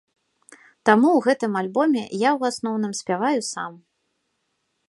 Таму ў гэтым альбоме я ў асноўным спяваю сам.